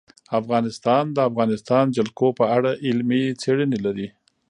افغانستان د د افغانستان جلکو په اړه علمي څېړنې لري.